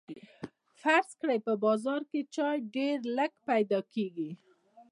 فرض کړئ په بازار کې چای ډیر لږ پیدا کیږي.